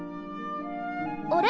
あれ？